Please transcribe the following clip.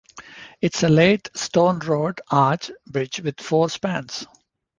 It is a late stone road arch bridge with four spans.